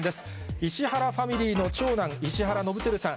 石原ファミリーの長男、石原伸晃さん。